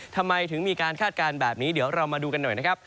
ทำไมถึงมีการคาดการณ์แบบนี้เดี๋ยวเรามาดูกันหน่อยนะครับ